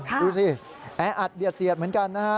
ดูสิแออัดเบียดเสียดเหมือนกันนะฮะ